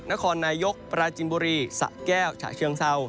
นครนายกปราจินบุรีสะแก้วฉะเชิงเศร้า